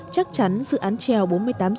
chắc chắn dự án treo bốn mươi tám h